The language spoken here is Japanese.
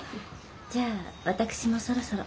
じゃあ私もそろそろ。